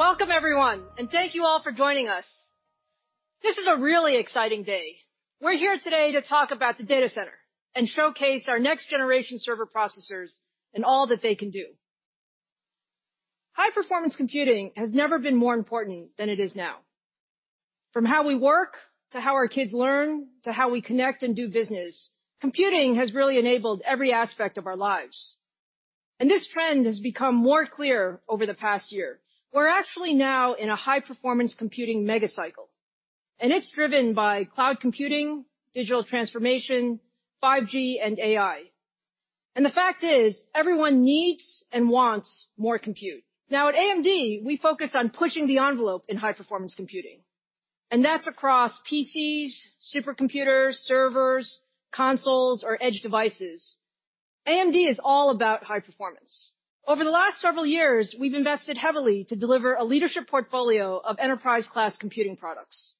Welcome everyone. Thank you all for joining us. This is a really exciting day. We're here today to talk about the data center and showcase our next-generation server processors and all that they can do. High-performance computing has never been more important than it is now. From how we work, to how our kids learn, to how we connect and do business, computing has really enabled every aspect of our lives. This trend has become more clear over the past year. We're actually now in a high-performance computing mega cycle, and it's driven by cloud computing, digital transformation, 5G, and AI. The fact is, everyone needs and wants more compute. Now, at AMD, we focus on pushing the envelope in high-performance computing, and that's across PCs, supercomputers, servers, consoles, or edge devices. AMD is all about high performance. Over the last several years, we've invested heavily to deliver a leadership portfolio of enterprise-class computing products.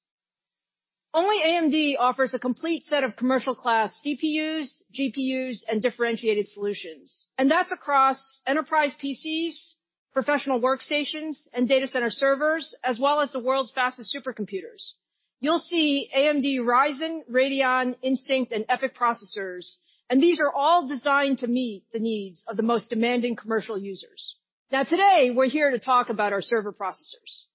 Only AMD offers a complete set of commercial class CPUs, GPUs, and differentiated solutions, and that's across enterprise PCs, professional workstations, and data center servers, as well as the world's fastest supercomputers. You'll see AMD Ryzen, Radeon, Instinct, and EPYC processors, and these are all designed to meet the needs of the most demanding commercial users. Today, we're here to talk about our server processors.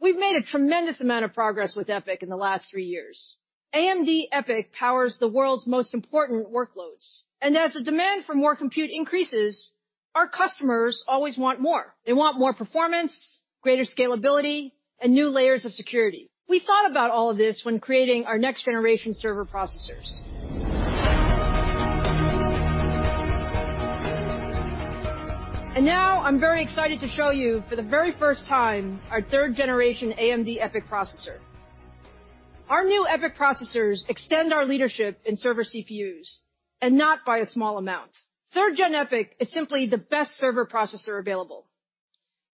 We've made a tremendous amount of progress with EPYC in the last three years. AMD EPYC powers the world's most important workloads, and as the demand for more compute increases, our customers always want more. They want more performance, greater scalability, and new layers of security. We thought about all of this when creating our next-generation server processors. Now I'm very excited to show you, for the very first time, our 3rd Gen AMD EPYC processor. Our new EPYC processors extend our leadership in server CPUs, and not by a small amount. 3rd Gen EPYC is simply the best server processor available.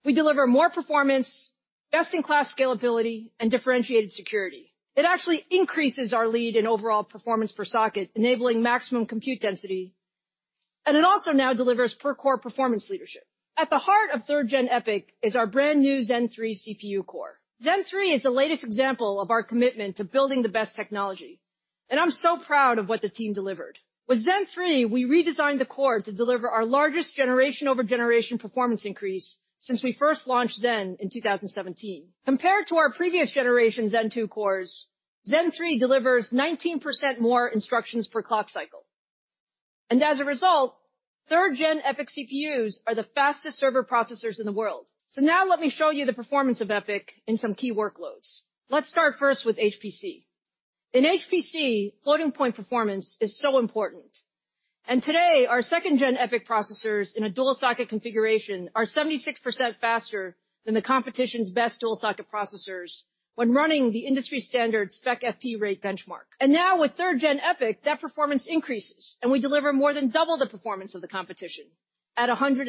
We deliver more performance, best-in-class scalability, and differentiated security. It actually increases our lead in overall performance per socket, enabling maximum compute density, and it also now delivers per-core performance leadership. At the heart of 3rd Gen EPYC is our brand new Zen 3 CPU core. Zen 3 is the latest example of our commitment to building the best technology, and I'm so proud of what the team delivered. With Zen 3, we redesigned the core to deliver our largest generation-over-generation performance increase since we first launched Zen in 2017. Compared to our previous generation Zen 2 cores, Zen 3 delivers 19% more instructions per clock cycle. As a result, third gen EPYC CPUs are the fastest server processors in the world. Now let me show you the performance of EPYC in some key workloads. Let's start first with HPC. In HPC, floating point performance is so important. Today, our second gen EPYC processors in a dual-socket configuration are 76% faster than the competition's best dual-socket processors when running the industry standard SPECfp rate benchmark. Now with 3rd Gen EPYC, that performance increases, and we deliver more than double the performance of the competition at 106%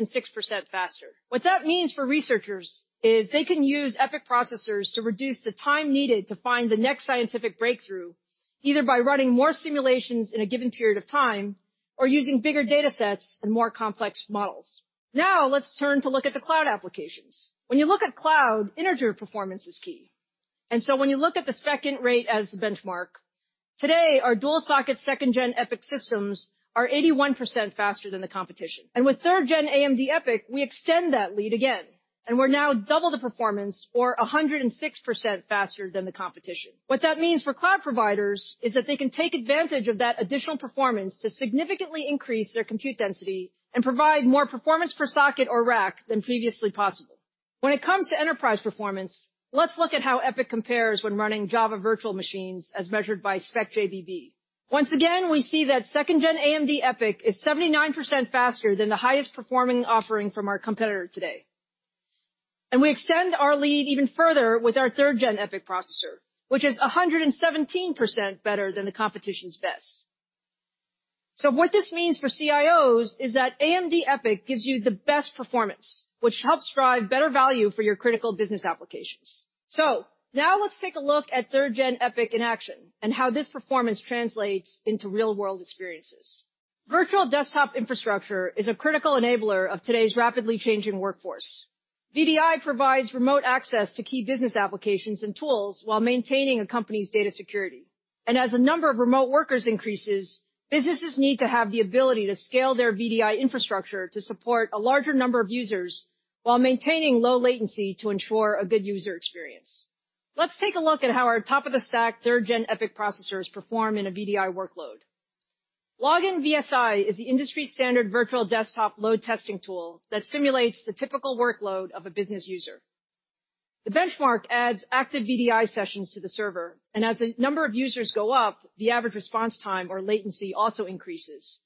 faster. What that means for researchers is they can use EPYC processors to reduce the time needed to find the next scientific breakthrough, either by running more simulations in a given period of time or using bigger data sets and more complex models. Let's turn to look at the cloud applications. When you look at cloud, integer performance is key. When you look at the SPECint rate as the benchmark, today our dual-socket 2nd-gen EPYC systems are 81% faster than the competition. With 3rd-gen AMD EPYC, we extend that lead again, and we're now double the performance or 106% faster than the competition. What that means for cloud providers is that they can take advantage of that additional performance to significantly increase their compute density and provide more performance per socket or rack than previously possible. When it comes to enterprise performance, let's look at how EPYC compares when running Java virtual machines as measured by SPECjbb. Once again, we see that 2nd gen AMD EPYC is 79% faster than the highest performing offering from our competitor today. We extend our lead even further with our 3rd Gen EPYC processor, which is 117% better than the competition's best. What this means for CIOs is that AMD EPYC gives you the best performance, which helps drive better value for your critical business applications. Now let's take a look at 3rd Gen EPYC in action and how this performance translates into real-world experiences. Virtual desktop infrastructure is a critical enabler of today's rapidly changing workforce. VDI provides remote access to key business applications and tools while maintaining a company's data security. As the number of remote workers increases, businesses need to have the ability to scale their VDI infrastructure to support a larger number of users while maintaining low latency to ensure a good user experience. Let's take a look at how our top-of-the-stack 3rd Gen EPYC processors perform in a VDI workload. Login VSI is the industry standard virtual desktop load testing tool that simulates the typical workload of a business user. The benchmark adds active VDI sessions to the server, and as the number of users go up, the average response time or latency also increases.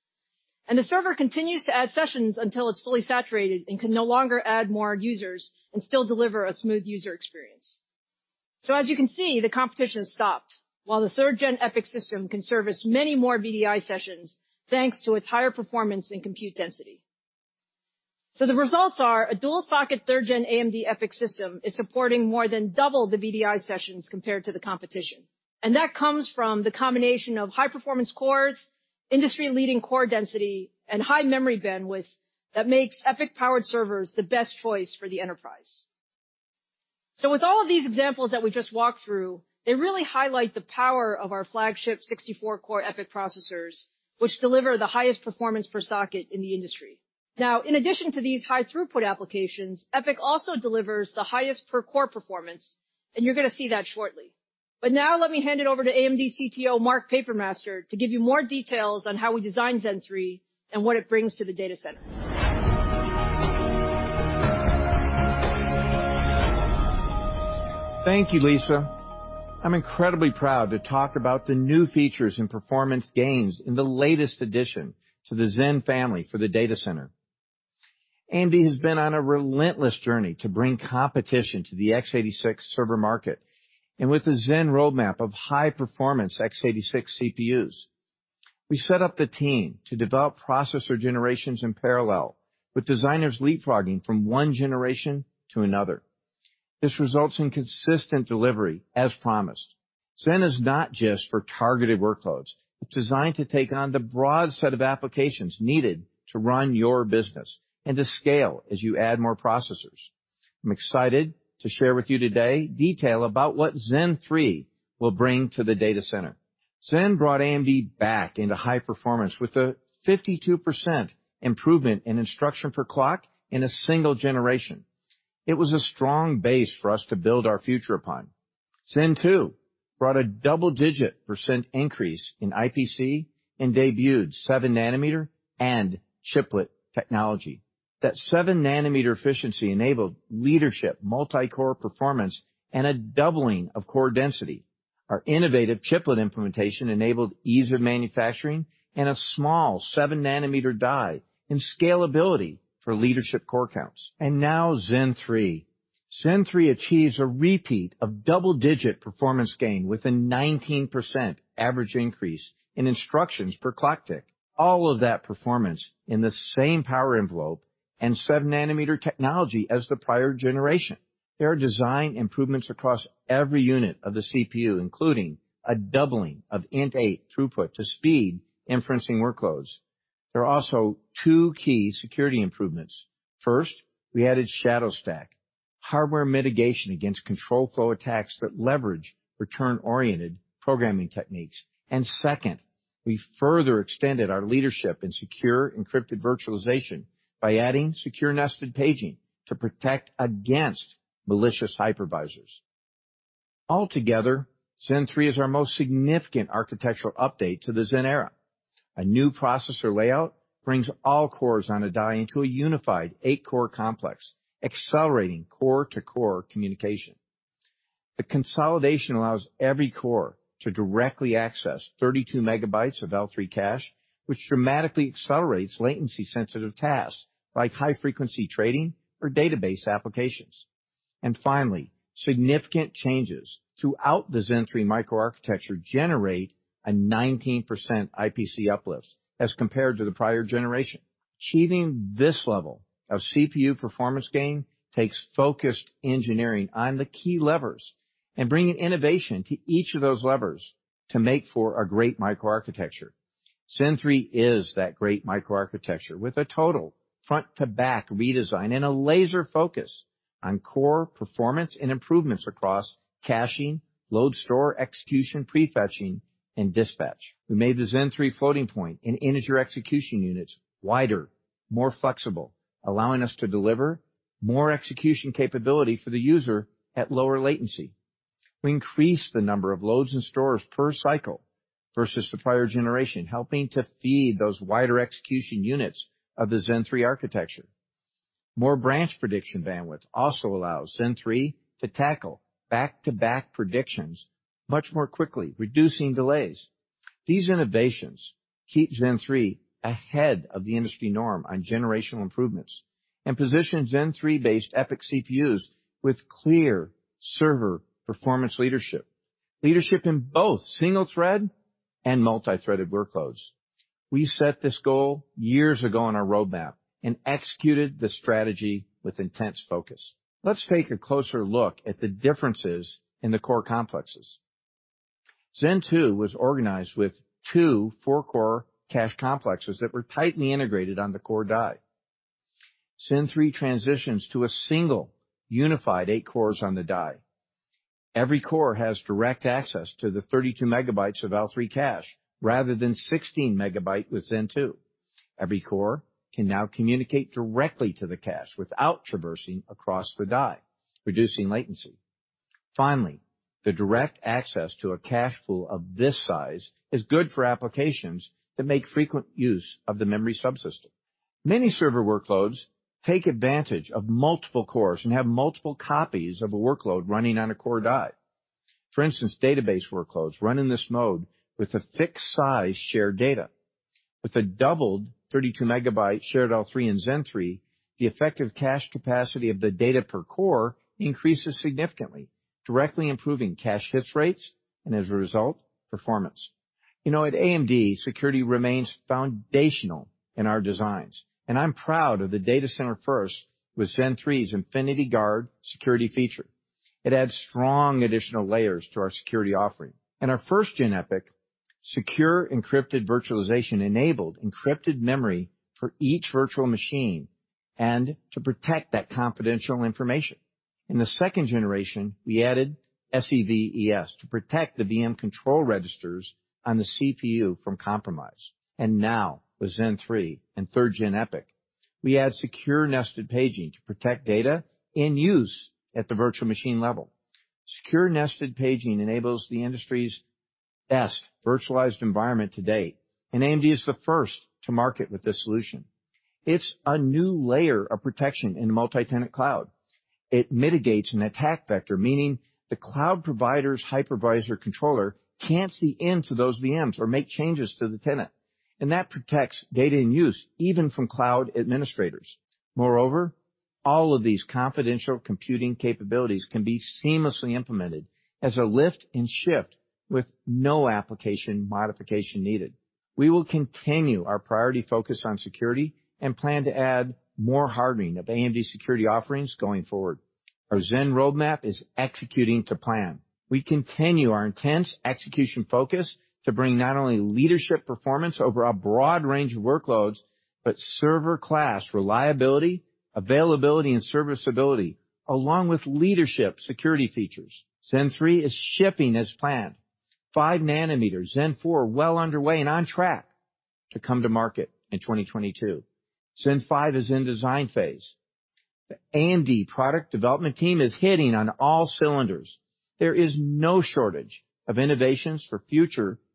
The server continues to add sessions until it's fully saturated and can no longer add more users and still deliver a smooth user experience. As you can see, the competition stopped while the 3rd Gen EPYC system can service many more VDI sessions, thanks to its higher performance and compute density. The results are a dual-socket 3rd Gen AMD EPYC system is supporting more than double the VDI sessions compared to the competition. That comes from the combination of high-performance cores, industry-leading core density, and high memory bandwidth that makes EPYC-powered servers the best choice for the enterprise. With all of these examples that we just walked through, they really highlight the power of our flagship 64-core EPYC processors, which deliver the highest performance per socket in the industry. In addition to these high throughput applications, EPYC also delivers the highest per-core performance, and you're going to see that shortly. Now let me hand it over to AMD CTO Mark Papermaster to give you more details on how we designed Zen 3 and what it brings to the data center. Thank you, Lisa. I'm incredibly proud to talk about the new features and performance gains in the latest addition to the Zen family for the data center. AMD has been on a relentless journey to bring competition to the x86 server market, and with the Zen roadmap of high-performance x86 CPUs. We set up the team to develop processor generations in parallel, with designers leapfrogging from one generation to another. This results in consistent delivery as promised. Zen is not just for targeted workloads. It's designed to take on the broad set of applications needed to run your business and to scale as you add more processors. I'm excited to share with you today detail about what Zen 3 will bring to the data center. Zen brought AMD back into high performance with a 52% improvement in instruction per clock in a single generation. It was a strong base for us to build our future upon. Zen 2 brought a double-digit percent increase in IPC and debuted 7 nm and chiplet technology. That 7 nm efficiency enabled leadership multi-core performance and a doubling of core density. Our innovative chiplet implementation enabled ease of manufacturing and a small 7 nm die, and scalability for leadership core counts. Now Zen 3. Zen 3 achieves a repeat of double-digit performance gain with a 19% average increase in instructions per clock tick. All of that performance in the same power envelope and 7 nm technology as the prior generation. There are design improvements across every unit of the CPU, including a doubling of INT8 throughput to speed inferencing workloads. There are also two key security improvements. First, we added Shadow Stack, hardware mitigation against control flow attacks that leverage return-oriented programming techniques. Second, we further extended our leadership in Secure Encrypted Virtualization by adding Secure Nested Paging to protect against malicious hypervisors. Altogether, Zen 3 is our most significant architectural update to the Zen era. A new processor layout brings all cores on a die into a unified eight-core complex, accelerating core-to-core communication. The consolidation allows every core to directly access 32 MB of L3 cache, which dramatically accelerates latency-sensitive tasks like high-frequency trading or database applications. Finally, significant changes throughout the Zen 3 microarchitecture generate a 19% IPC uplift as compared to the prior generation. Achieving this level of CPU performance gain takes focused engineering on the key levers and bringing innovation to each of those levers to make for a great microarchitecture. Zen 3 is that great microarchitecture with a total front-to-back redesign and a laser focus on core performance and improvements across caching, load store execution, prefetching, and dispatch. We made the Zen 3 floating point and integer execution units wider, more flexible, allowing us to deliver more execution capability for the user at lower latency. We increased the number of loads and stores per cycle versus the prior generation, helping to feed those wider execution units of the Zen 3 architecture. More branch prediction bandwidth also allows Zen 3 to tackle back-to-back predictions much more quickly, reducing delays. These innovations keep Zen 3 ahead of the industry norm on generational improvements and position Zen 3-based EPYC CPUs with clear server performance leadership in both single-thread and multi-threaded workloads. We set this goal years ago on our roadmap and executed the strategy with intense focus. Let's take a closer look at the differences in the core complexes. Zen 2 was organized with two 4-core cache complexes that were tightly integrated on the core die. Zen 3 transitions to a single unified 8-cores on the die. Every core has direct access to the 32 MB of L3 cache rather than 16 MB with Zen 2. Every core can now communicate directly to the cache without traversing across the die, reducing latency. The direct access to a cache pool of this size is good for applications that make frequent use of the memory subsystem. Many server workloads take advantage of multiple cores and have multiple copies of a workload running on a core die. For instance, database workloads run in this mode with a fixed size shared data. With a doubled 32 MB shared L3 in Zen 3, the effective cache capacity of the data per core increases significantly, directly improving cache hit rates, and as a result, performance. At AMD, security remains foundational in our designs, and I'm proud of the data center first with Zen 3's Infinity Guard security feature. It adds strong additional layers to our security offering. Our 1st Gen EPYC Secure Encrypted Virtualization enabled encrypted memory for each virtual machine and to protect that confidential information. In the 2nd Gen, we added SEV-ES to protect the VM control registers on the CPU from compromise. Now, with Zen 3 and 3rd Gen EPYC, we add Secure Nested Paging to protect data in use at the virtual machine level. Secure Nested Paging enables the industry's best virtualized environment to date, and AMD is the first to market with this solution. It's a new layer of protection in a multi-tenant cloud. It mitigates an attack vector, meaning the cloud provider's hypervisor controller can't see into those VMs or make changes to the tenant. That protects data in use even from cloud administrators. Moreover, all of these confidential computing capabilities can be seamlessly implemented as a lift and shift with no application modification needed. We will continue our priority focus on security and plan to add more hardening of AMD security offerings going forward. Our Zen roadmap is executing to plan. We continue our intense execution focus to bring not only leadership performance over a broad range of workloads but server-class reliability, availability, and serviceability, along with leadership security features. Zen 3 is shipping as planned. 5 nm, Zen 4, well underway and on track to come to market in 2022. Zen 5 is in design phase. The AMD product development team is hitting on all cylinders. There is no shortage of innovations for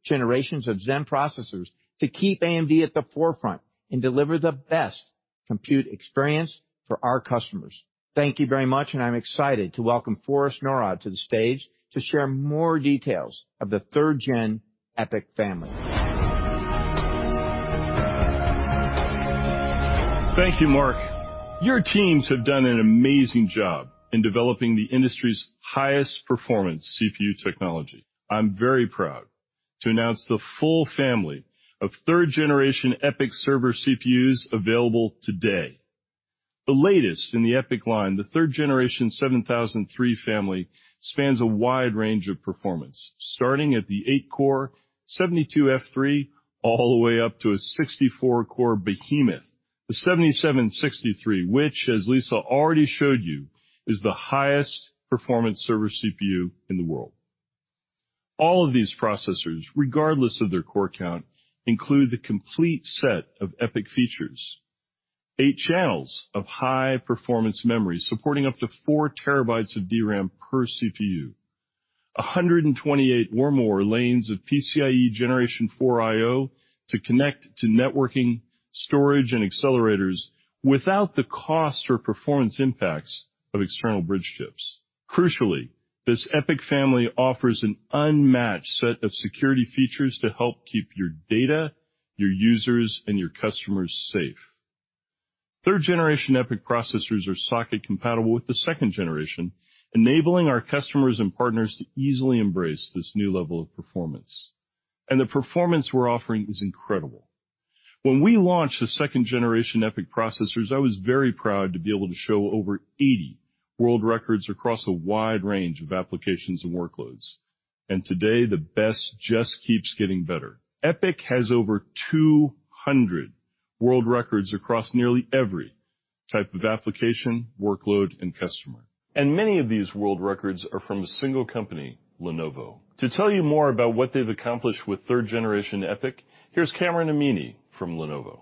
future generations of Zen processors to keep AMD at the forefront and deliver the best compute experience for our customers. Thank you very much, and I'm excited to welcome Forrest Norrod to the stage to share more details of the 3rd Gen EPYC family. Thank you, Mark. Your teams have done an amazing job in developing the industry's highest performance CPU technology. I'm very proud to announce the full family of 3rd Gen EPYC server CPUs available today. The latest in the EPYC line, the 3rd Gen 7003 family, spans a wide range of performance, starting at the 8-core 72F3 all the way up to a 64-core behemoth, the 7763, which, as Lisa already showed you, is the highest performance server CPU in the world. All of these processors, regardless of their core count, include the complete set of EPYC features. Eight channels of high-performance memory supporting up to 4 TB of DRAM per CPU, 128 or more lanes of PCIe 4.0 I/O. to connect to networking, storage, and accelerators without the cost or performance impacts of external bridge chips. Crucially, this EPYC family offers an unmatched set of security features to help keep your data, your users, and your customers safe. 3rd Gen EPYC processors are socket compatible with the 2nd Gen, enabling our customers and partners to easily embrace this new level of performance. The performance we're offering is incredible. When we launched the 2nd Gen EPYC processors, I was very proud to be able to show over 80 world records across a wide range of applications and workloads. Today, the best just keeps getting better. EPYC has over 200 world records across nearly every type of application, workload, and customer. Many of these world records are from a single company, Lenovo. To tell you more about what they've accomplished with 3rd Gen EPYC, here's Kamran Amini from Lenovo.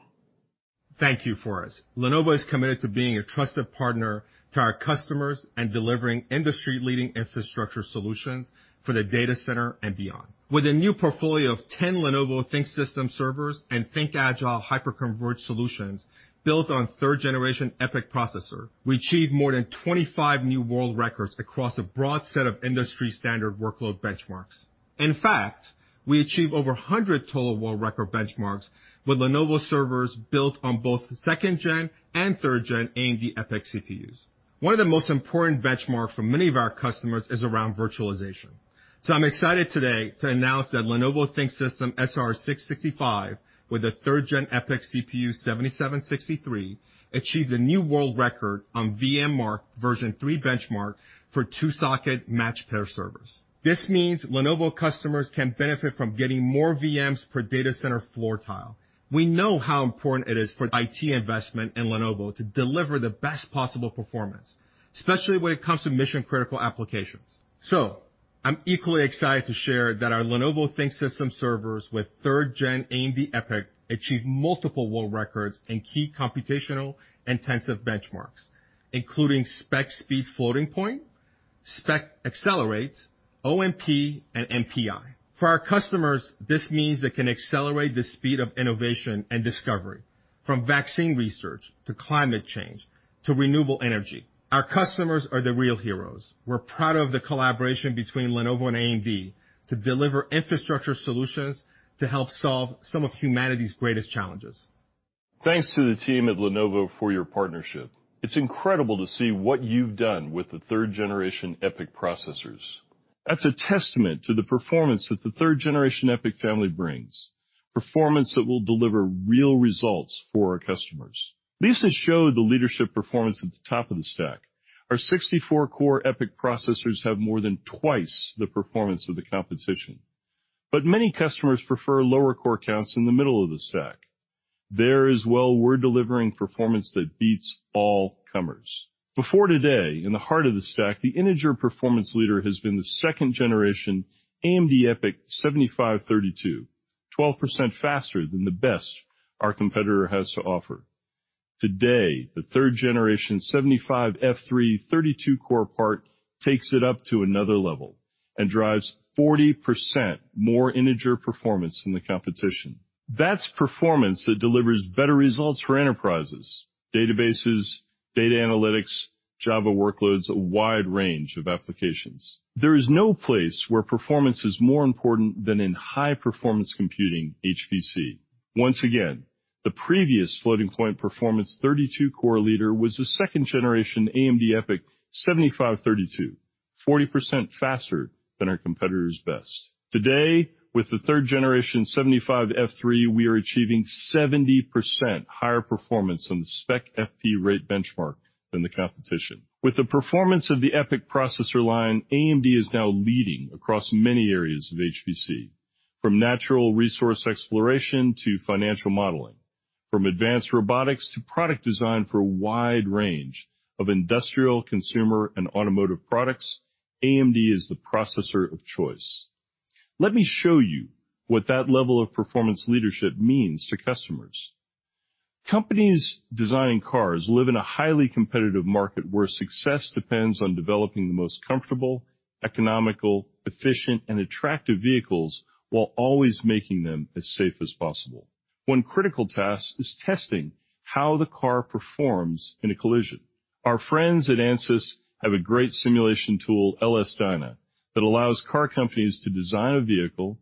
Thank you, Forrest. Lenovo is committed to being a trusted partner to our customers and delivering industry-leading infrastructure solutions for the data center and beyond. With a new portfolio of 10 Lenovo ThinkSystem servers and ThinkAgile hyperconverged solutions built on 3rd Gen EPYC processor, we achieved more than 25 new world records across a broad set of industry-standard workload benchmarks. In fact, we achieved over 100 total world record benchmarks with Lenovo servers built on both 2nd Gen and 3rd Gen AMD EPYC CPUs. One of the most important benchmarks for many of our customers is around virtualization. I'm excited today to announce that Lenovo ThinkSystem SR665 with the 3rd Gen EPYC CPU 7763 achieved a new world record on VMmark Version 3 benchmark for two-socket matched pair servers. This means Lenovo customers can benefit from getting more VMs per data center floor tile. We know how important it is for IT investment in Lenovo to deliver the best possible performance, especially when it comes to mission-critical applications. I'm equally excited to share that our Lenovo ThinkSystem servers with 3rd Gen AMD EPYC achieved multiple world records in key computational-intensive benchmarks, including SPECspeed floating point, SPECaccel, OMP, and MPI. For our customers, this means they can accelerate the speed of innovation and discovery, from vaccine research to climate change to renewable energy. Our customers are the real heroes. We're proud of the collaboration between Lenovo and AMD to deliver infrastructure solutions to help solve some of humanity's greatest challenges. Thanks to the team at Lenovo for your partnership. It's incredible to see what you've done with the 3rd Gen EPYC processors. That's a testament to the performance that the 3rd Gen EPYC family brings, performance that will deliver real results for our customers. Lisa showed the leadership performance at the top of the stack. Our 64-core EPYC processors have more than twice the performance of the competition. Many customers prefer lower core counts in the middle of the stack. There as well, we're delivering performance that beats all comers. Before today, in the heart of the stack, the integer performance leader has been the 2nd Gen AMD EPYC 7532, 12% faster than the best our competitor has to offer. Today, the 3rd Gen 75F3 32-core part takes it up to another level and drives 40% more integer performance than the competition. That's performance that delivers better results for enterprises, databases, data analytics, Java workloads, a wide range of applications. There is no place where performance is more important than in high-performance computing, HPC. Once again, the previous floating point performance 32-core leader was the 2nd Gen AMD EPYC 7532, 40% faster than our competitor's best. Today, with the 3rd Gen 75F3, we are achieving 70% higher performance on the SPECfp rate benchmark than the competition. With the performance of the EPYC processor line, AMD is now leading across many areas of HPC. From natural resource exploration to financial modeling, from advanced robotics to product design for a wide range of industrial consumer and automotive products, AMD is the processor of choice. Let me show you what that level of performance leadership means to customers. Companies designing cars live in a highly competitive market where success depends on developing the most comfortable, economical, efficient, and attractive vehicles, while always making them as safe as possible. One critical task is testing how the car performs in a collision. Our friends at Ansys have a great simulation tool, LS-DYNA, that allows car companies to design a vehicle,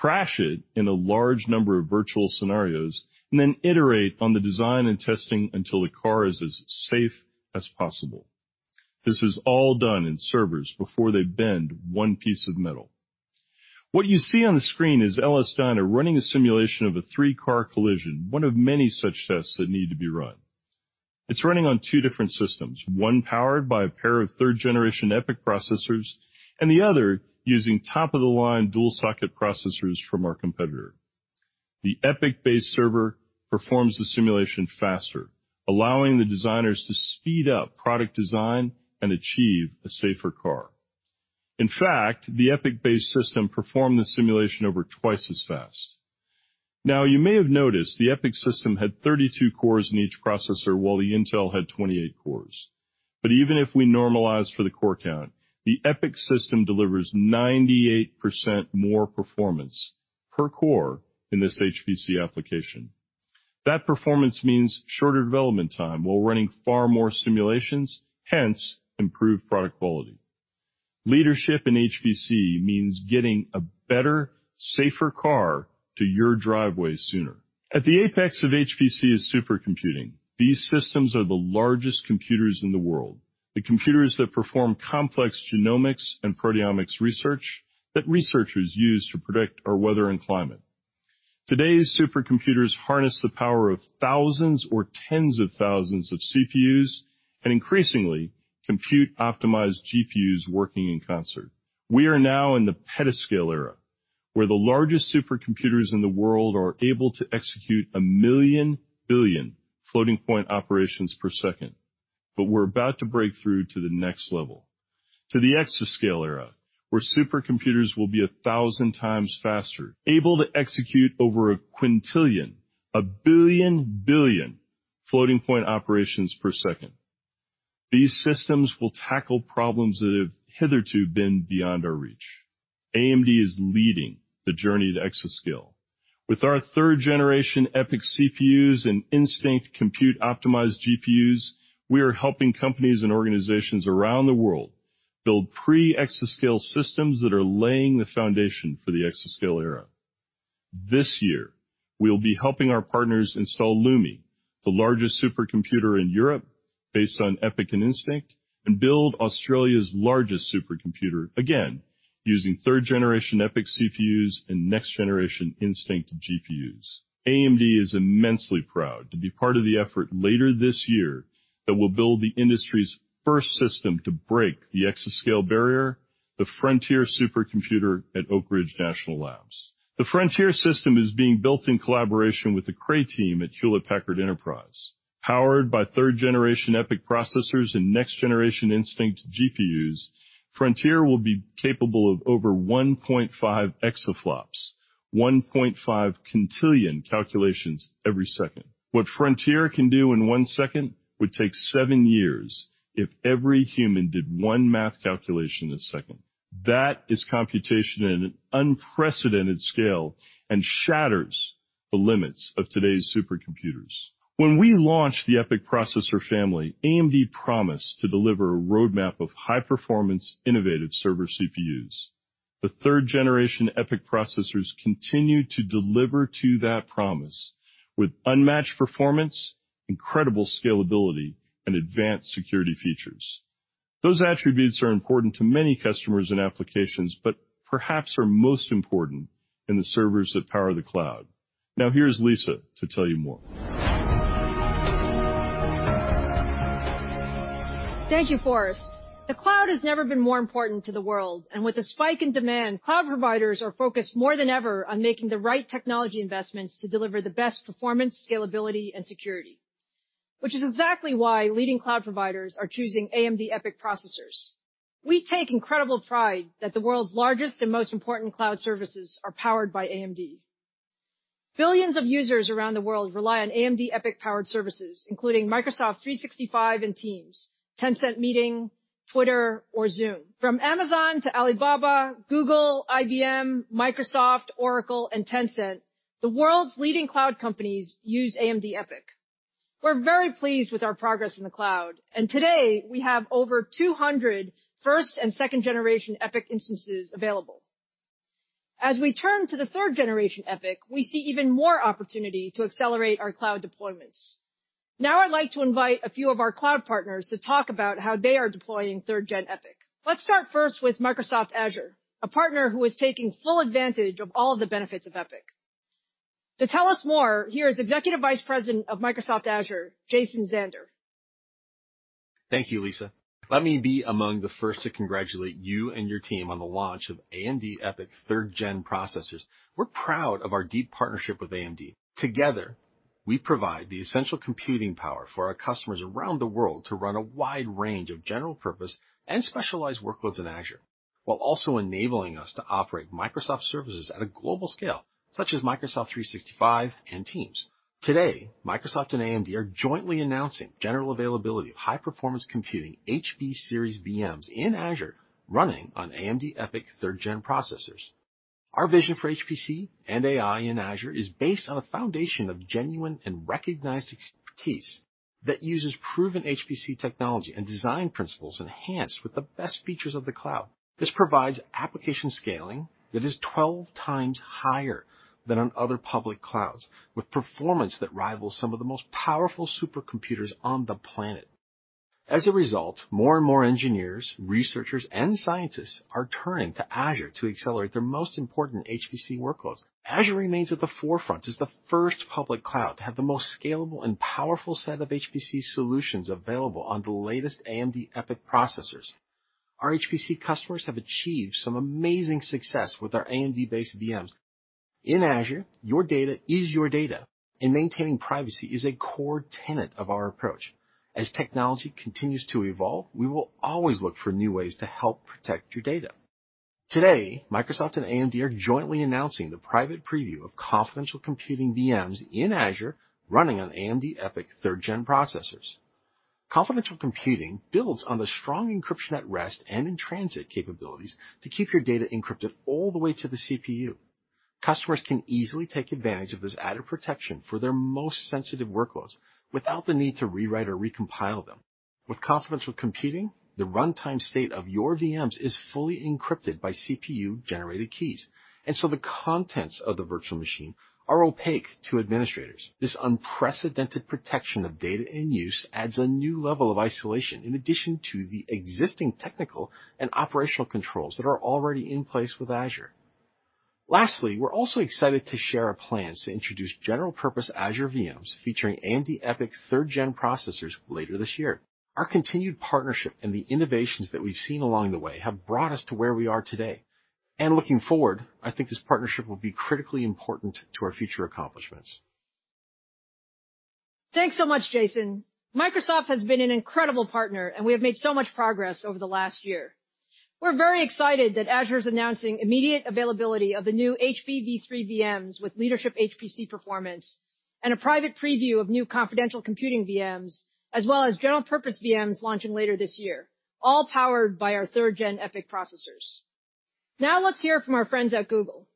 crash it in a large number of virtual scenarios, and then iterate on the design and testing until the car is as safe as possible. This is all done in servers before they bend one piece of metal. What you see on the screen is LS-DYNA running a simulation of a three-car collision, one of many such tests that need to be run. It's running on two different systems, one powered by a pair of 3rd Gen EPYC processors and the other using top-of-the-line dual socket processors from our competitor. The EPYC-based server performs the simulation faster, allowing the designers to speed up product design and achieve a safer car. In fact, the EPYC-based system performed the simulation over twice as fast. Now, you may have noticed the EPYC system had 32 cores in each processor, while the Intel had 28 cores. Even if we normalize for the core count, the EPYC system delivers 98% more performance per core in this HPC application. That performance means shorter development time while running far more simulations, hence improved product quality. Leadership in HPC means getting a better, safer car to your driveway sooner. At the apex of HPC is supercomputing. These systems are the largest computers in the world. The computers that perform complex genomics and proteomics research that researchers use to predict our weather and climate. Today's supercomputers harness the power of thousands or tens of thousands of CPUs and increasingly compute optimized GPUs working in concert. We are now in the petascale era, where the largest supercomputers in the world are able to execute a million billion floating point operations per second. We're about to break through to the next level, to the exascale era, where supercomputers will be 1,000x faster, able to execute over a quintillion, a billion billion floating point operations per second. These systems will tackle problems that have hitherto been beyond our reach. AMD is leading the journey to exascale. With our 3rd Gen EPYC CPUs and Instinct compute optimized GPUs, we are helping companies and organizations around the world build pre-exascale systems that are laying the foundation for the exascale era. This year, we will be helping our partners install LUMI, the largest supercomputer in Europe based on EPYC and Instinct, and build Australia's largest supercomputer, again, using 3rd Gen EPYC CPUs and next generation Instinct GPUs. AMD is immensely proud to be part of the effort later this year that will build the industry's first system to break the exascale barrier, the Frontier supercomputer at Oak Ridge National Labs. The Frontier system is being built in collaboration with the Cray team at Hewlett Packard Enterprise. Powered by 3rd Gen EPYC processors and next generation Instinct GPUs, Frontier will be capable of over 1.5 exaflops, 1.5 quintillion calculations every second. What Frontier can do in one second would take seven years if every human did one math calculation a second. That is computation in an unprecedented scale and shatters the limits of today's supercomputers. When we launched the EPYC processor family, AMD promised to deliver a roadmap of high performance innovative server CPUs. The 3rd Gen EPYC processors continue to deliver to that promise with unmatched performance, incredible scalability, and advanced security features. Those attributes are important to many customers and applications, but perhaps are most important in the servers that power the cloud. Here's Lisa to tell you more. Thank you, Forrest. The cloud has never been more important to the world, and with the spike in demand, cloud providers are focused more than ever on making the right technology investments to deliver the best performance, scalability, and security. Which is exactly why leading cloud providers are choosing AMD EPYC processors. We take incredible pride that the world's largest and most important cloud services are powered by AMD. Billions of users around the world rely on AMD EPYC powered services, including Microsoft 365 and Teams, Tencent Meeting, Twitter or Zoom. From Amazon to Alibaba, Google, IBM, Microsoft, Oracle and Tencent, the world's leading cloud companies use AMD EPYC. We're very pleased with our progress in the cloud and today we have over 200 1st and 2nd Gen EPYC instances available. As we turn to the 3rd Gen EPYC, we see even more opportunity to accelerate our cloud deployments. Now I'd like to invite a few of our cloud partners to talk about how they are deploying 3rd Gen EPYC. Let's start first with Microsoft Azure, a partner who is taking full advantage of all of the benefits of EPYC. To tell us more, here is Executive Vice President of Microsoft Azure, Jason Zander. Thank you, Lisa. Let me be among the first to congratulate you and your team on the launch of AMD EPYC 3rd Gen processors. We're proud of our deep partnership with AMD. Together, we provide the essential computing power for our customers around the world to run a wide range of general purpose and specialized workloads in Azure, while also enabling us to operate Microsoft services at a global scale, such as Microsoft 365 and Teams. Today, Microsoft and AMD are jointly announcing general availability of high performance computing HB series VMs in Azure, running on AMD EPYC 3rd Gen processors. Our vision for HPC and AI in Azure is based on a foundation of genuine and recognized expertise that uses proven HPC technology and design principles enhanced with the best features of the cloud. This provides application scaling that is 12x higher than on other public clouds, with performance that rivals some of the most powerful supercomputers on the planet. As a result, more and more engineers, researchers, and scientists are turning to Azure to accelerate their most important HPC workloads. Azure remains at the forefront as the first public cloud to have the most scalable and powerful set of HPC solutions available on the latest AMD EPYC processors. Our HPC customers have achieved some amazing success with our AMD-based VMs. In Azure, your data is your data, and maintaining privacy is a core tenet of our approach. As technology continues to evolve, we will always look for new ways to help protect your data. Today, Microsoft and AMD are jointly announcing the private preview of confidential computing VMs in Azure, running on AMD EPYC 3rd Gen processors. Confidential computing builds on the strong encryption at rest and in transit capabilities to keep your data encrypted all the way to the CPU. Customers can easily take advantage of this added protection for their most sensitive workloads without the need to rewrite or recompile them. With confidential computing, the runtime state of your VMs is fully encrypted by CPU generated keys, the contents of the virtual machine are opaque to administrators. This unprecedented protection of data in use adds a new level of isolation in addition to the existing technical and operational controls that are already in place with Azure. Lastly, we're also excited to share our plans to introduce general purpose Azure VMs featuring AMD EPYC 3rd Gen processors later this year. Our continued partnership and the innovations that we've seen along the way have brought us to where we are today. Looking forward, I think this partnership will be critically important to our future accomplishments. Thanks so much, Jason. Microsoft has been an incredible partner and we have made so much progress over the last year. We're very excited that Azure's announcing immediate availability of the new HBv3 VMs with leadership HPC performance and a private preview of new confidential computing VMs, as well as general purpose VMs launching later this year, all powered by our 3rd Gen EPYC processors. Let's hear from our friends at Google.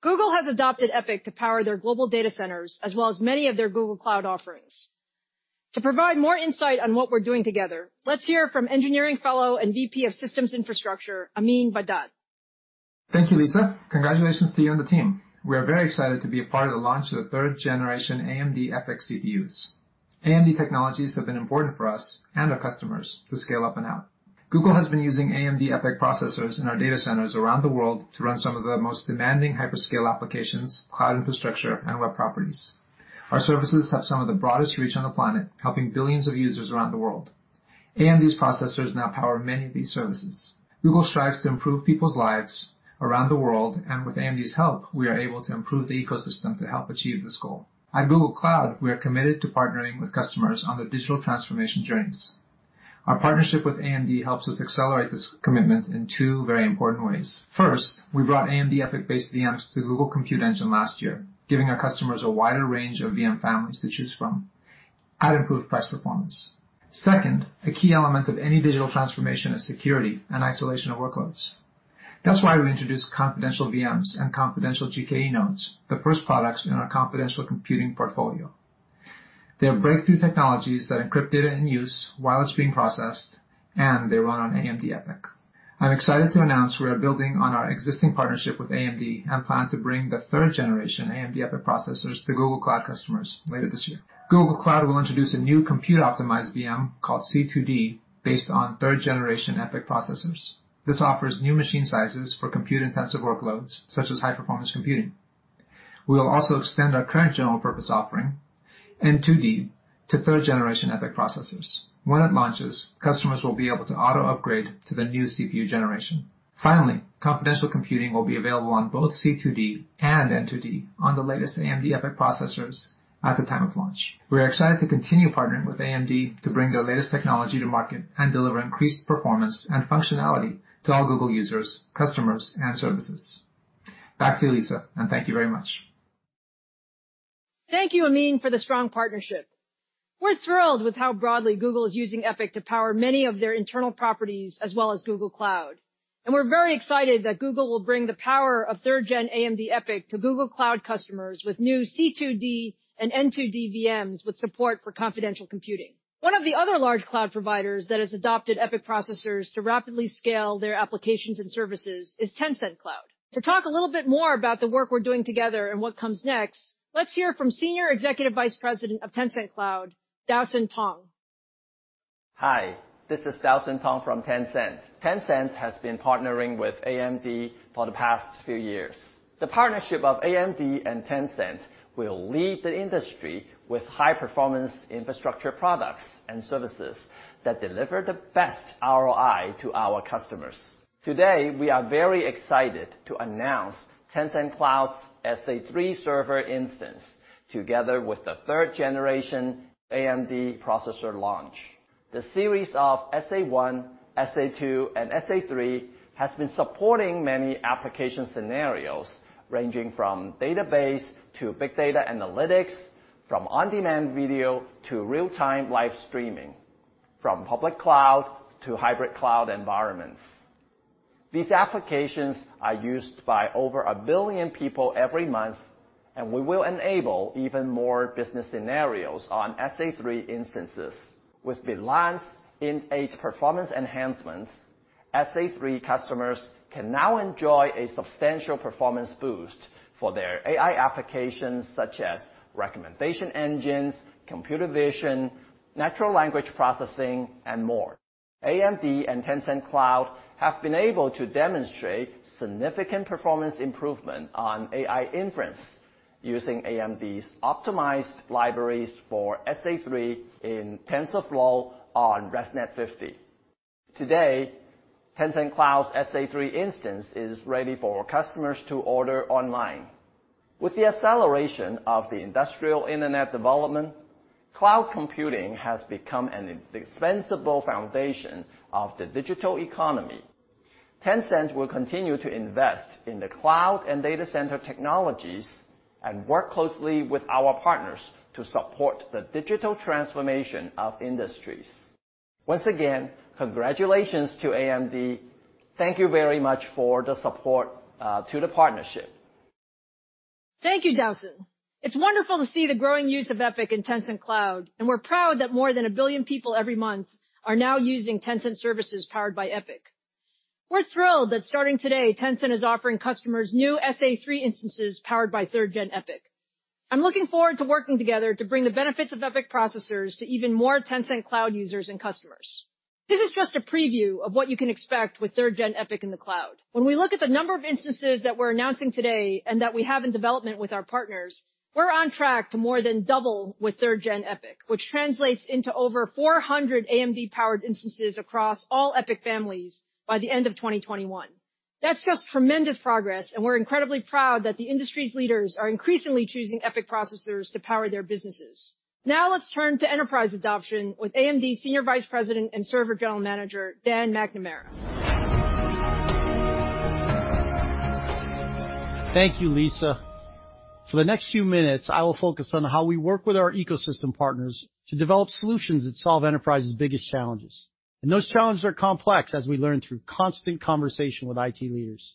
Google has adopted EPYC to power their global data centers, as well as many of their Google Cloud offerings. To provide more insight on what we're doing together, let's hear from Engineering Fellow and VP of Systems Infrastructure, Amin Vahdat. Thank you, Lisa. Congratulations to you and the team. We are very excited to be a part of the launch of the 3rd Gen AMD EPYC CPUs. AMD technologies have been important for us and our customers to scale up and out. Google has been using AMD EPYC processors in our data centers around the world to run some of the most demanding hyperscale applications, cloud infrastructure, and web properties. Our services have some of the broadest reach on the planet, helping billions of users around the world. AMD's processors now power many of these services. Google strives to improve people's lives around the world. With AMD's help, we are able to improve the ecosystem to help achieve this goal. At Google Cloud, we are committed to partnering with customers on their digital transformation journeys. Our partnership with AMD helps us accelerate this commitment in two very important ways. First, we brought AMD EPYC based VMs to Google Compute Engine last year, giving our customers a wider range of VM families to choose from at improved price performance. Second, a key element of any digital transformation is security and isolation of workloads. That's why we introduced confidential VMs and confidential GKE nodes, the first products in our confidential computing portfolio. They're breakthrough technologies that encrypt data in use while it's being processed, and they run on AMD EPYC. I'm excited to announce we are building on our existing partnership with AMD and plan to bring the 3rd Gen AMD EPYC processors to Google Cloud customers later this year. Google Cloud will introduce a new compute optimized VM called C2D based on 3rd Gen EPYC processors. This offers new machine sizes for compute intensive workloads, such as high-performance computing. We will also extend our current general purpose offering, N2D, to 3rd Gen EPYC processors. When it launches, customers will be able to auto-upgrade to the new CPU generation. Finally, confidential computing will be available on both C2D and N2D on the latest AMD EPYC processors at the time of launch. We're excited to continue partnering with AMD to bring their latest technology to market and deliver increased performance and functionality to all Google users, customers, and services. Back to you, Lisa, and thank you very much. Thank you, Amin, for the strong partnership. We're thrilled with how broadly Google is using EPYC to power many of their internal properties, as well as Google Cloud. We're very excited that Google will bring the power of 3rd Gen AMD EPYC to Google Cloud customers with new C2D and N2D VMs with support for confidential computing. One of the other large cloud providers that has adopted EPYC processors to rapidly scale their applications and services is Tencent Cloud. To talk a little bit more about the work we're doing together and what comes next, let's hear from Senior Executive Vice President of Tencent Cloud, Dowson Tong. Hi, this is Dowson Tong from Tencent. Tencent has been partnering with AMD for the past few years. The partnership of AMD and Tencent will lead the industry with high performance infrastructure products and services that deliver the best ROI to our customers. Today, we are very excited to announce Tencent Cloud's SA3 server instance, together with the 3rd Gen AMD processor launch. The series of SA1, SA2, and SA3 has been supporting many application scenarios, ranging from database to big data analytics, from on-demand video to real-time live streaming, from public cloud to hybrid cloud environments. These applications are used by over a billion people every month. We will enable even more business scenarios on SA3 instances. With the launch in eight performance enhancements, SA3 customers can now enjoy a substantial performance boost for their AI applications, such as recommendation engines, computer vision, natural language processing, and more. AMD and Tencent Cloud have been able to demonstrate significant performance improvement on AI inference using AMD's optimized libraries for SA3 in TensorFlow on ResNet-50. Today, Tencent Cloud's SA3 instance is ready for customers to order online. With the acceleration of the industrial internet development, cloud computing has become an indispensable foundation of the digital economy. Tencent will continue to invest in the cloud and data center technologies and work closely with our partners to support the digital transformation of industries. Once again, congratulations to AMD. Thank you very much for the support to the partnership. Thank you, Dowson. It's wonderful to see the growing use of EPYC in Tencent Cloud, and we're proud that more than one billion people every month are now using Tencent services powered by EPYC. We're thrilled that starting today, Tencent is offering customers new SA3 instances powered by 3rd Gen EPYC. I'm looking forward to working together to bring the benefits of EPYC processors to even more Tencent Cloud users and customers. This is just a preview of what you can expect with 3rd Gen EPYC in the cloud. When we look at the number of instances that we're announcing today and that we have in development with our partners, we're on track to more than double with 3rd Gen EPYC, which translates into over 400 AMD-powered instances across all EPYC families by the end of 2021. That's just tremendous progress, and we're incredibly proud that the industry's leaders are increasingly choosing EPYC processors to power their businesses. Now let's turn to enterprise adoption with AMD Senior Vice President and Server General Manager, Dan McNamara. Thank you, Lisa. For the next few minutes, I will focus on how we work with our ecosystem partners to develop solutions that solve enterprise's biggest challenges. Those challenges are complex, as we learn through constant conversation with IT leaders.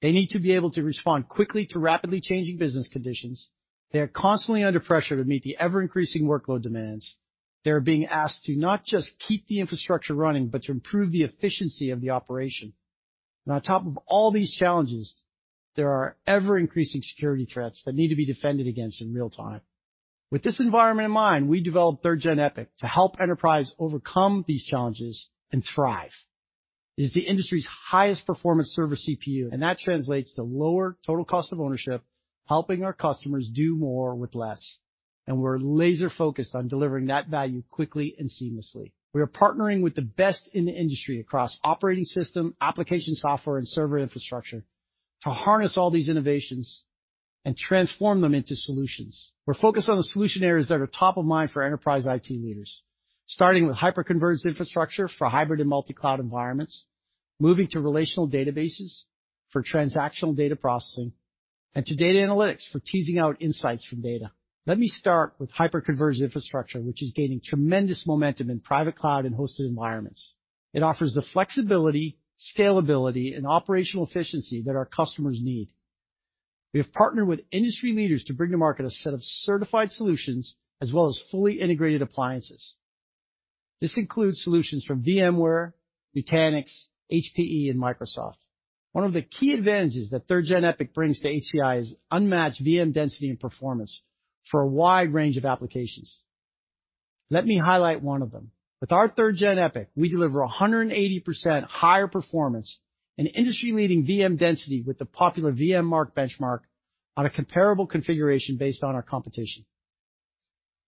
They need to be able to respond quickly to rapidly changing business conditions. They are constantly under pressure to meet the ever-increasing workload demands. They are being asked to not just keep the infrastructure running, but to improve the efficiency of the operation. On top of all these challenges, there are ever increasing security threats that need to be defended against in real time. With this environment in mind, we developed 3rd Gen EPYC to help enterprise overcome these challenges and thrive. It is the industry's highest performance server CPU, and that translates to lower total cost of ownership, helping our customers do more with less. We're laser-focused on delivering that value quickly and seamlessly. We are partnering with the best in the industry across operating system, application software, and server infrastructure to harness all these innovations and transform them into solutions. We're focused on the solution areas that are top of mind for enterprise IT leaders. Starting with hyperconverged infrastructure for hybrid and multi-cloud environments, moving to relational databases for transactional data processing, and to data analytics for teasing out insights from data. Let me start with hyperconverged infrastructure, which is gaining tremendous momentum in private cloud and hosted environments. It offers the flexibility, scalability, and operational efficiency that our customers need. We have partnered with industry leaders to bring to market a set of certified solutions as well as fully integrated appliances. This includes solutions from VMware, Nutanix, HPE, and Microsoft. One of the key advantages that 3rd Gen EPYC brings to HCI is unmatched VM density and performance for a wide range of applications. Let me highlight one of them. With our 3rd Gen EPYC, we deliver 180% higher performance and industry-leading VM density with the popular VMmark benchmark on a comparable configuration based on our competition.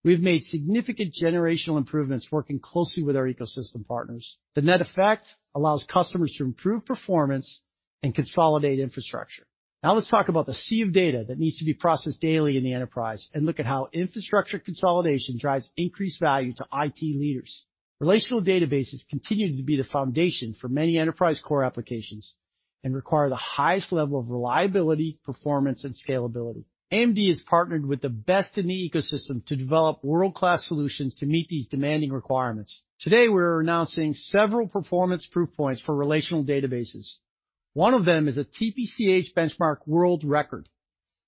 We've made significant generational improvements working closely with our ecosystem partners. The net effect allows customers to improve performance and consolidate infrastructure. Now let's talk about the sea of data that needs to be processed daily in the enterprise and look at how infrastructure consolidation drives increased value to IT leaders. Relational databases continue to be the foundation for many enterprise core applications and require the highest level of reliability, performance, and scalability. AMD has partnered with the best in the ecosystem to develop world-class solutions to meet these demanding requirements. Today, we're announcing several performance proof points for relational databases. One of them is a TPC-H benchmark world record.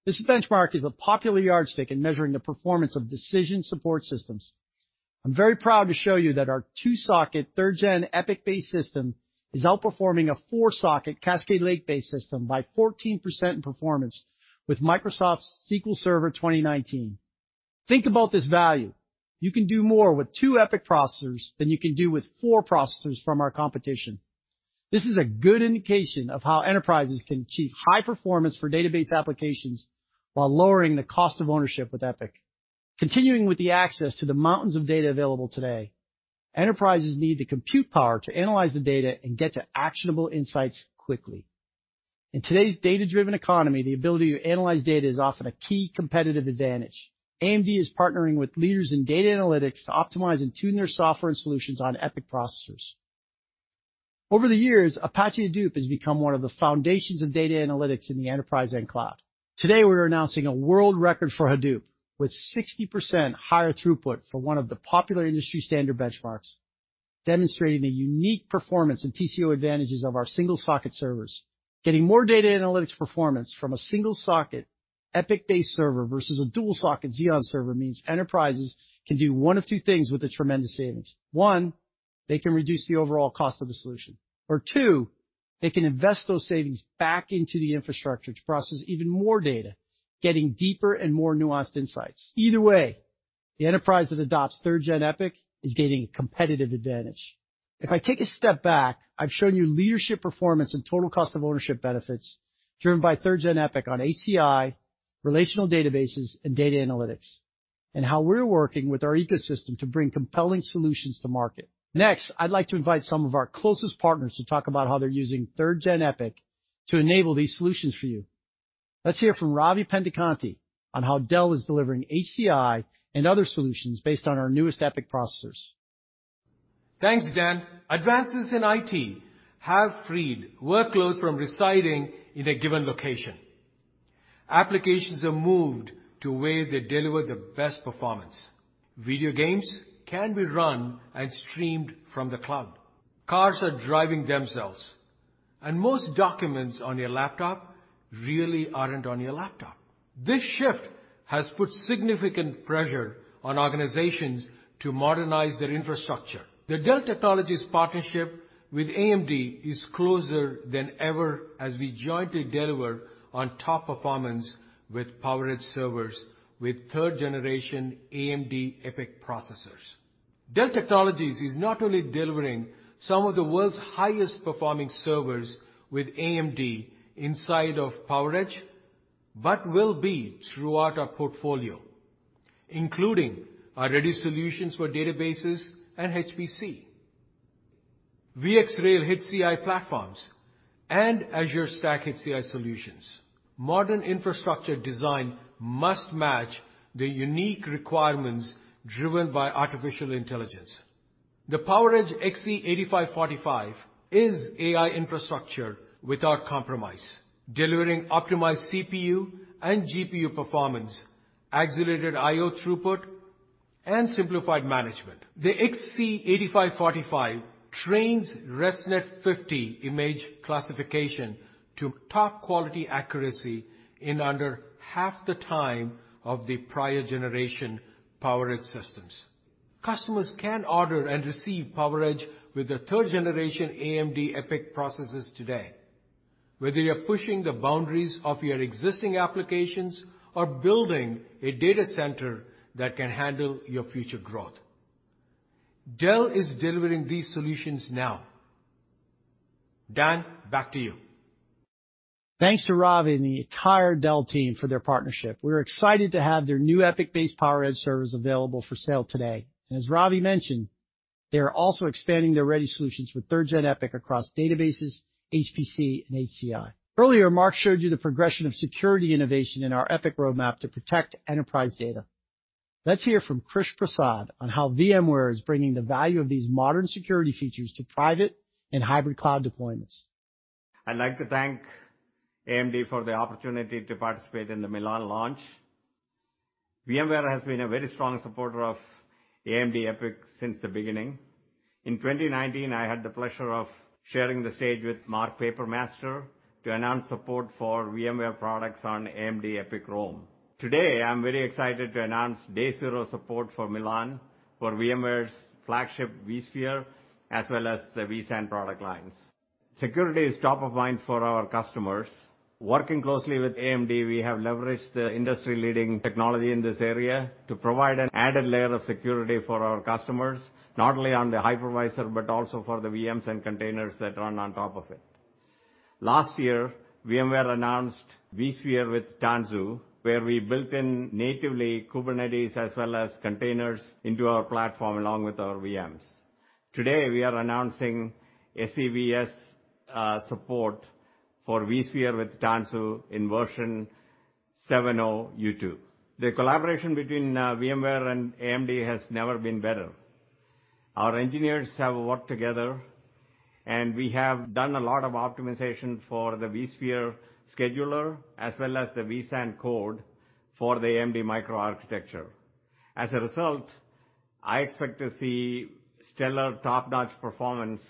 This benchmark is a popular yardstick in measuring the performance of decision support systems. I'm very proud to show you that our two-socket 3rd Gen EPYC-based system is outperforming a four-socket Cascade Lake-based system by 14% in performance with Microsoft's SQL Server 2019. Think about this value. You can do more with two EPYC processors than you can do with four processors from our competition. This is a good indication of how enterprises can achieve high performance for database applications while lowering the cost of ownership with EPYC. Continuing with the access to the mountains of data available today, enterprises need the compute power to analyze the data and get to actionable insights quickly. In today's data-driven economy, the ability to analyze data is often a key competitive advantage. AMD is partnering with leaders in data analytics to optimize and tune their software and solutions on EPYC processors. Over the years, Apache Hadoop has become one of the foundations of data analytics in the enterprise and cloud. Today, we're announcing a world record for Hadoop with 60% higher throughput for one of the popular industry standard benchmarks, demonstrating a unique performance and TCO advantages of our single-socket servers. Getting more data analytics performance from a single socket EPYC-based server versus a dual socket Xeon server means enterprises can do one of two things with the tremendous savings. One, they can reduce the overall cost of the solution. Two, they can invest those savings back into the infrastructure to process even more data, getting deeper and more nuanced insights. Either way, the enterprise that adopts 3rd Gen EPYC is gaining a competitive advantage. If I take a step back, I've shown you leadership performance and total cost of ownership benefits driven by 3rd Gen EPYC on HCI, relational databases, and data analytics, and how we're working with our ecosystem to bring compelling solutions to market. Next, I'd like to invite some of our closest partners to talk about how they're using 3rd Gen EPYC to enable these solutions for you. Let's hear from Ravi Pendekanti on how Dell is delivering HCI and other solutions based on our newest EPYC processors. Thanks, Dan. Advances in IT have freed workloads from residing in a given location. Applications are moved to where they deliver the best performance. Video games can be run and streamed from the cloud. Cars are driving themselves, and most documents on your laptop really aren't on your laptop. This shift has put significant pressure on organizations to modernize their infrastructure. The Dell Technologies partnership with AMD is closer than ever as we jointly deliver on top performance with PowerEdge servers with 3rd Gen AMD EPYC processors. Dell Technologies is not only delivering some of the world's highest performing servers with AMD inside of PowerEdge, but will be throughout our portfolio, including our ready solutions for databases and HPC, VxRail HCI platforms, and Azure Stack HCI solutions. Modern infrastructure design must match the unique requirements driven by artificial intelligence. The PowerEdge XE8545 is AI infrastructure without compromise, delivering optimized CPU and GPU performance, accelerated I/O throughput, and simplified management. The XE8545 trains ResNet-50 image classification to top quality accuracy in under half the time of the prior generation PowerEdge systems. Customers can order and receive PowerEdge with the 3rd Gen AMD EPYC processors today. Whether you're pushing the boundaries of your existing applications or building a data center that can handle your future growth, Dell is delivering these solutions now. Dan, back to you. Thanks to Ravi and the entire Dell team for their partnership. We're excited to have their new EPYC-based PowerEdge servers available for sale today. As Ravi mentioned, they are also expanding their ready solutions with 3rd Gen EPYC across databases, HPC, and HCI. Earlier, Mark showed you the progression of security innovation in our EPYC roadmap to protect enterprise data. Let's hear from Krish Prasad on how VMware is bringing the value of these modern security features to private and hybrid cloud deployments. I'd like to thank AMD for the opportunity to participate in the Milan launch. VMware has been a very strong supporter of AMD EPYC since the beginning. In 2019, I had the pleasure of sharing the stage with Mark Papermaster to announce support for VMware products on AMD EPYC Rome. Today, I'm very excited to announce day zero support for Milan, for VMware's flagship vSphere, as well as the vSAN product lines. Security is top of mind for our customers. Working closely with AMD, we have leveraged the industry-leading technology in this area to provide an added layer of security for our customers, not only on the hypervisor, but also for the VMs and containers that run on top of it. Last year, VMware announced vSphere with Tanzu, where we built in natively Kubernetes as well as containers into our platform along with our VMs. Today, we are announcing SEV support for vSphere with Tanzu in version 7.0 U2. The collaboration between VMware and AMD has never been better. Our engineers have worked together, and we have done a lot of optimization for the vSphere scheduler, as well as the vSAN code for the AMD microarchitecture. As a result, I expect to see stellar, top-notch performance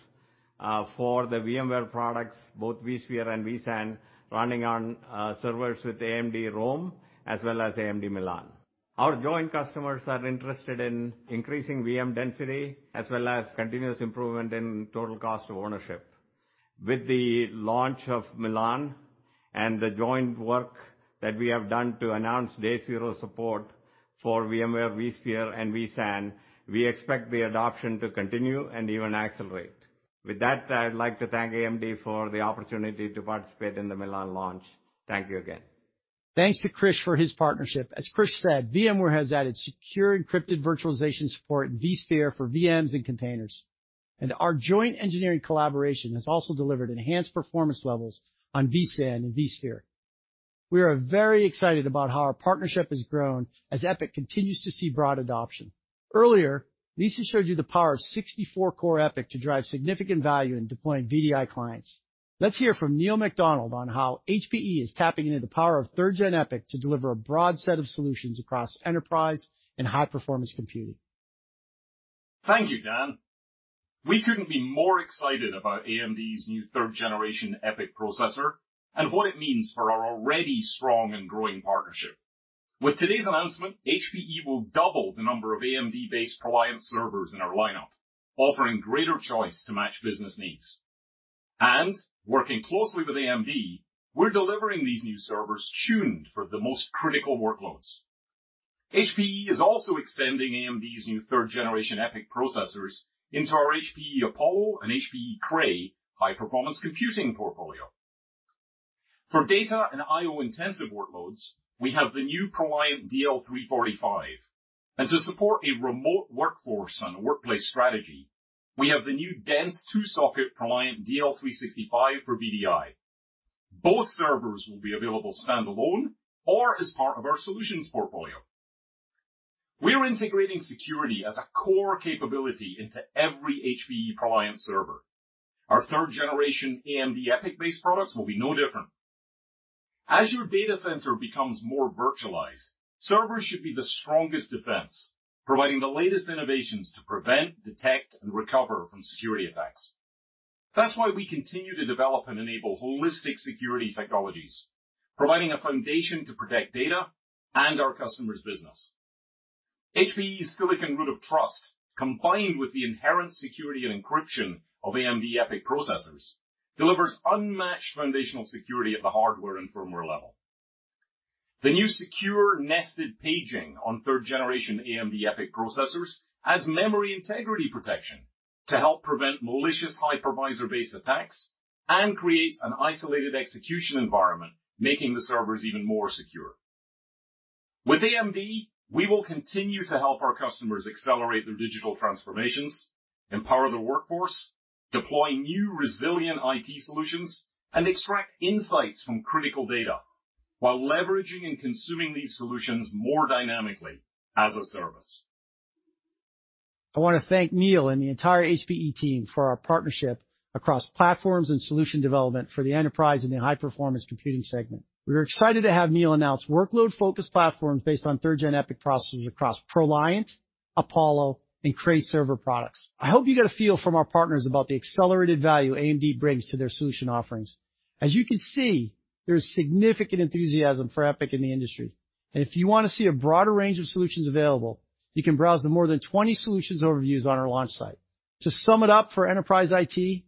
for the VMware products, both vSphere and vSAN, running on servers with AMD Rome as well as AMD Milan. Our joint customers are interested in increasing VM density, as well as continuous improvement in total cost of ownership. With the launch of Milan and the joint work that we have done to announce day zero support for VMware vSphere and vSAN, we expect the adoption to continue and even accelerate. With that, I'd like to thank AMD for the opportunity to participate in the Milan launch. Thank you again. Thanks to Krish for his partnership. As Krish said, VMware has added Secure Encrypted Virtualization support in vSphere for VMs and containers. Our joint engineering collaboration has also delivered enhanced performance levels on vSAN and vSphere. We are very excited about how our partnership has grown as EPYC continues to see broad adoption. Earlier, Lisa showed you the power of 64-core EPYC to drive significant value in deploying VDI clients. Let's hear from Neil MacDonald on how HPE is tapping into the power of 3rd Gen EPYC to deliver a broad set of solutions across enterprise and high-performance computing. Thank you, Dan. We couldn't be more excited about AMD's new 3rd Gen EPYC processor and what it means for our already strong and growing partnership. With today's announcement, HPE will double the number of AMD-based ProLiant servers in our lineup, offering greater choice to match business needs. Working closely with AMD, we're delivering these new servers tuned for the most critical workloads. HPE is also extending AMD's new 3rd Gen EPYC processors into our HPE Apollo and HPE Cray high-performance computing portfolio. For data and I/O-intensive workloads, we have the new ProLiant DL345, and to support a remote workforce and a workplace strategy, we have the new dense two-socket ProLiant DL365 for VDI. Both servers will be available standalone or as part of our solutions portfolio. We are integrating security as a core capability into every HPE ProLiant server. Our 3rd Gen AMD EPYC-based products will be no different. As your data center becomes more virtualized, servers should be the strongest defense, providing the latest innovations to prevent, detect, and recover from security attacks. That's why we continue to develop and enable holistic security technologies, providing a foundation to protect data and our customers' business. HPE's silicon root of trust, combined with the inherent security and encryption of AMD EPYC processors, delivers unmatched foundational security at the hardware and firmware level. The new Secure Nested Paging on 3rd Gen AMD EPYC processors adds memory integrity protection to help prevent malicious hypervisor-based attacks and creates an isolated execution environment, making the servers even more secure. With AMD, we will continue to help our customers accelerate their digital transformations, empower the workforce, deploy new resilient IT solutions, and extract insights from critical data while leveraging and consuming these solutions more dynamically as a service. I want to thank Neil and the entire HPE team for our partnership across platforms and solution development for the enterprise and the high-performance computing segment. We are excited to have Neil announce workload focus platforms based on 3rd Gen EPYC processors across ProLiant, Apollo, and Cray server products. I hope you get a feel from our partners about the accelerated value AMD brings to their solution offerings. As you can see, there's significant enthusiasm for EPYC in the industry. If you want to see a broader range of solutions available, you can browse the more than 20 solutions overviews on our launch site. To sum it up for enterprise IT,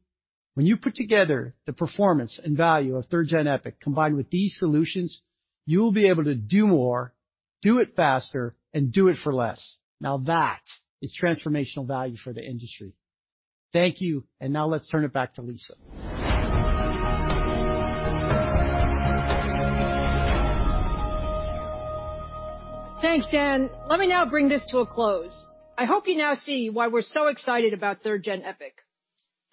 when you put together the performance and value of 3rd Gen EPYC combined with these solutions, you will be able to do more, do it faster, and do it for less. Now that is transformational value for the industry. Thank you. Now let's turn it back to Lisa. Thanks, Dan. Let me now bring this to a close. I hope you now see why we're so excited about 3rd Gen EPYC.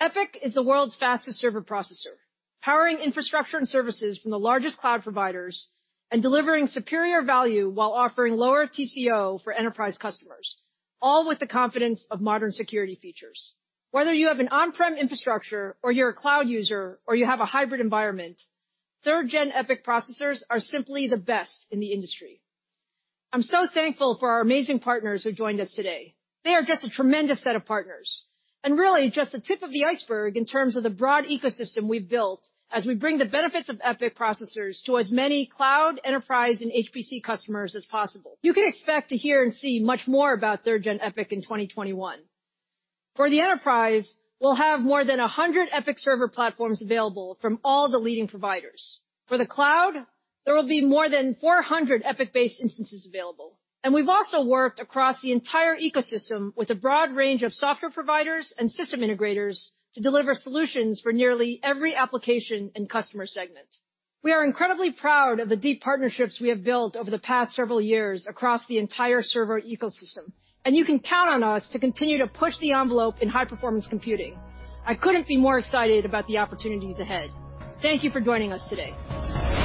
EPYC is the world's fastest server processor, powering infrastructure and services from the largest cloud providers and delivering superior value while offering lower TCO for enterprise customers, all with the confidence of modern security features. Whether you have an on-prem infrastructure or you're a cloud user or you have a hybrid environment, 3rd Gen EPYC processors are simply the best in the industry. I'm so thankful for our amazing partners who joined us today. They are just a tremendous set of partners and really just the tip of the iceberg in terms of the broad ecosystem we've built as we bring the benefits of EPYC processors to as many cloud, enterprise, and HPC customers as possible. You can expect to hear and see much more about 3rd Gen EPYC in 2021. For the enterprise, we'll have more than 100 EPYC server platforms available from all the leading providers. For the cloud, there will be more than 400 EPYC-based instances available. We've also worked across the entire ecosystem with a broad range of software providers and system integrators to deliver solutions for nearly every application and customer segment. We are incredibly proud of the deep partnerships we have built over the past several years across the entire server ecosystem, and you can count on us to continue to push the envelope in high-performance computing. I couldn't be more excited about the opportunities ahead. Thank you for joining us today.